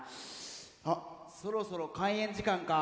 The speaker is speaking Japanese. あっそろそろ開演時間か。